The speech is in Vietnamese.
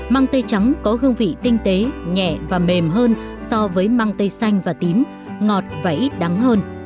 mang tây trắng có hương vị tinh tế nhẹ và mềm hơn so với mang tây xanh và tím ngọt và ít đắng hơn